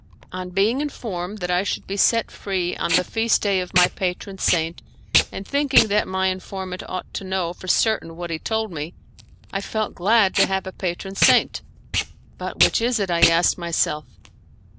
On being informed that I should be set free on the feast day of my patron saint, and thinking that my informant ought to know for certain what he told me, I felt glad to have a patron saint. "But which is it?" I asked myself.